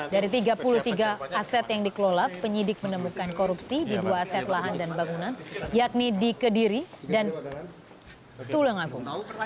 dari tiga puluh tiga aset yang dikelola penyidik menemukan korupsi di dua aset lahan dan bangunan yakni di kediri dan tulang agung